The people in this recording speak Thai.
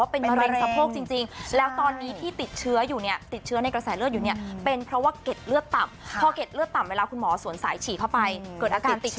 เป็นมะเรนสะโพกจริงแล้วตอนนี้ที่ติดเชื้ออยู่เนี่ยติดเชื้อในกระแสเลือด